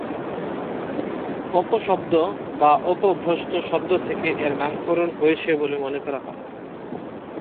‘অপশব্দ’ বা ‘অপভ্রষ্ট’ শব্দ থেকে এর নামকরণ হয়েছে বলে মনে করা হয়।